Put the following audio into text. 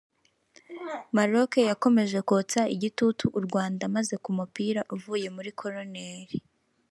Maroc yakomeje kotsa igitutu u Rwanda maze ku mupira uvuye muri koroneri